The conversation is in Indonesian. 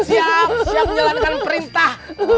siap siap menjalankan perintah